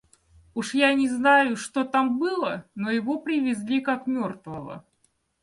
Уж я не знаю, что там было, но его привезли как мертвого.